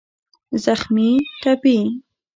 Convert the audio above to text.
زخمي √ ټپي